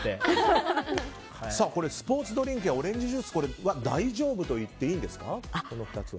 スポーツドリンクやオレンジジュースは大丈夫と言っていいんですか？